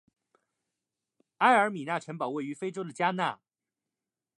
埃尔米纳城堡位于非洲的加纳。